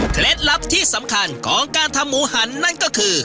ลับที่สำคัญของการทำหมูหันนั่นก็คือ